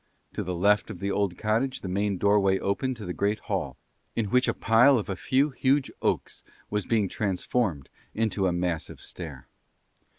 To the left of the old cottage the main doorway opened to the great hall, in which a pile of a few huge oaks was being transformed into a massive stair.